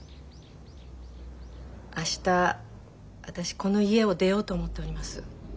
明日私この家を出ようと思っております。